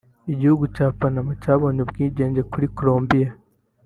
Igihugu cya Panama cyabonye ubwigenge kuri Colombiya